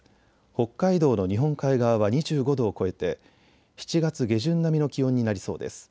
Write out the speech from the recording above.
北海道の日本海側は２５度を超えて７月下旬並みの気温になりそうです。